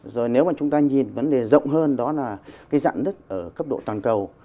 rồi nếu mà chúng ta nhìn vấn đề rộng hơn đó là cái dạng đứt ở cấp độ toàn cầu